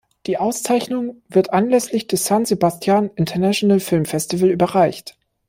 Die Auszeichnung wird anlässlich des San Sebastián International Film Festival überreicht.